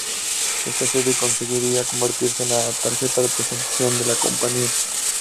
Esta serie conseguiría convertirse en la tarjeta de presentación de la compañía.